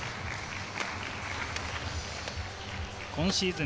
今シーズン